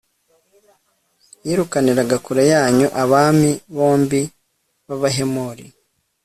yirukaniraga kure yanyu abami bombi b'abahemori